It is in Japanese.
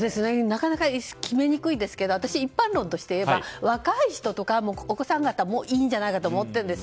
なかなか決めにくいんですけど一般論として言えば若い人とか、お子さん方はもういいんじゃないかと思っているんです。